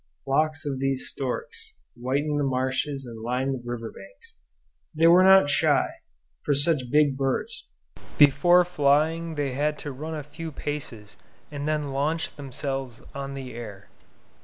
Flocks of these storks whitened the marshes and lined the river banks. They were not shy, for such big birds; before flying they had to run a few paces and then launch themselves on the air.